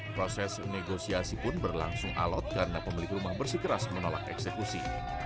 proses negosiasi pun berlangsung alot karena pemilik rumah bersikeras menolak eksekusi